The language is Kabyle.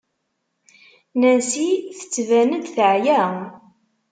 Nancy tettban-d teɛya.